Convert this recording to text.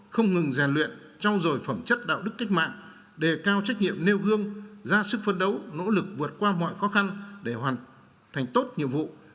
không ngừng rèn luyện trao dồi phẩm chất đạo đức cách mạng đề cao trách nhiệm nêu gương ra sức phấn đấu nỗ lực vượt qua mọi khó khăn để hoàn thành tốt nhiệm vụ